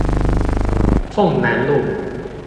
鳳楠路